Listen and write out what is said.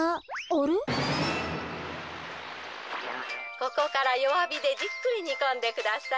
ここからよわびでじっくりにこんでください。